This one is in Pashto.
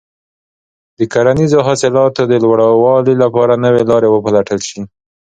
د کرنیزو حاصلاتو د لوړوالي لپاره نوې لارې وپلټل شي.